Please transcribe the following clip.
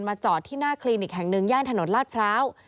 จอดที่หน้าคลินิกแห่งหนึ่งย่านถนนลาดพร้าว